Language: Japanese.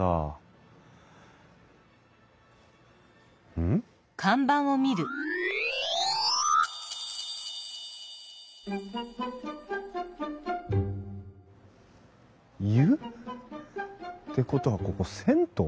うん？湯？ってことはここ銭湯？